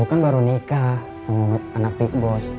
kamu kan baru nikah sama anak pik bos